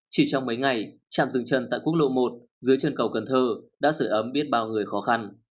chỉ trong mấy ngày trạm rừng chân tại quốc lộ một dưới chân cầu cần thơ đã sửa ấm biết bao người khó khăn